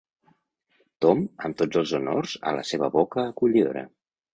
Tom amb tots els honors a la seva boca acollidora.